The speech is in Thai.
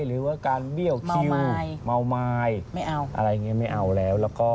หรือว่าการเบี้ยวคิวเมาไม้ไม่เอาอะไรอย่างนี้ไม่เอาแล้วแล้วก็